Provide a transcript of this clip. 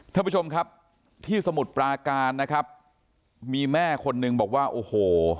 ท่านผู้ชมครับที่สมุทรปราการนะครับมีแม่คนนึงบอกว่าโอ้โห